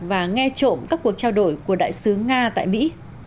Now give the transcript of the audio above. và nghe trộm các cuộc trao đổi của đại sứ nga tại mỹ